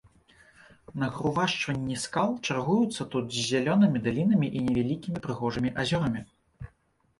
Нагрувашчванні скал чаргуюцца тут з зялёнымі далінамі і невялікімі прыгожымі азёрамі.